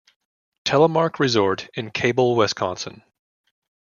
Telemark Resort in Cable, Wisconsin.